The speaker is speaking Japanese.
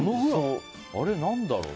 あれ、何だろう？